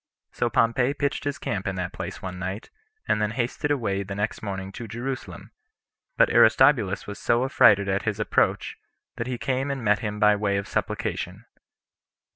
So Pompey pitched his camp in that place one night, and then hasted away the next morning to Jerusalem; but Aristobulus was so affrighted at his approach, that he came and met him by way of supplication.